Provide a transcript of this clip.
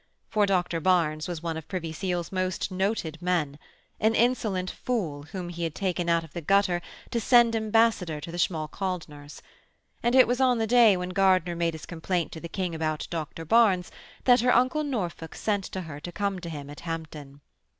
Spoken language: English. For Dr Barnes was one of Privy Seal's most noted men: an insolent fool whom he had taken out of the gutter to send ambassador to the Schmalkaldners. And it was on the day when Gardiner made his complaint to the King about Dr Barnes, that her uncle Norfolk sent to her to come to him at Hampton.